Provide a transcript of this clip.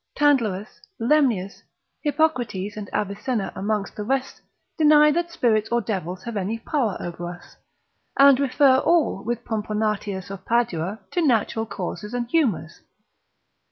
Tandlerus, Lemnius, (Hippocrates and Avicenna amongst the rest) deny that spirits or devils have any power over us, and refer all with Pomponatius of Padua to natural causes and humours.